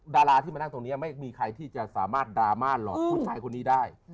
ดาราที่มานั่งตรงนี้ไม่มีใครที่จะสามารถดราม่าหลอกผู้ชายคนนี้ได้